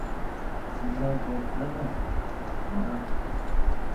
Shunday bo‘lsa-da, boradi.